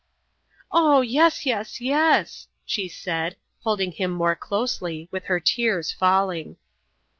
"Oh, yes, yes, yes," she said, holding him more closely, with her tears falling.